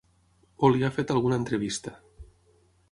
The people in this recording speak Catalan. O li ha fet alguna entrevista.